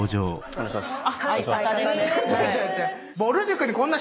お願いします。